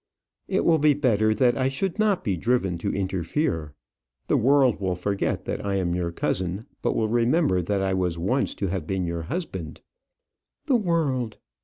"It will be better that I should not be driven to interfere. The world will forget that I am your cousin, but will remember that I was once to have been your husband." "The world!